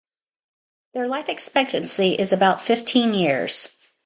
Their life expectancy is about fifteen years.